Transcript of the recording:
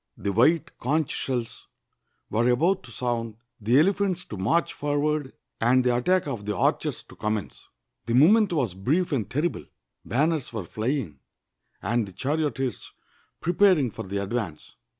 The white conch sheUs were about to sound, the elephants to march for ward, and the attack of the archers to commence. The moment was brief and terrible. Banners were fl}'ing, and the charioteers preparing for the advance.